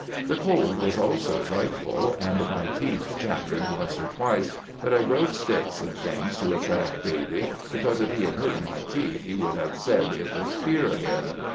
The cold was also friteful, and my teath chattered once or twice, but I broke sticks and things to attract Bailey, becorse if he had herd my teath he would have sed it was fear again.